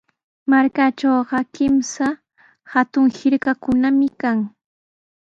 Markaatrawqa kimsa hatun hirkakunami kan.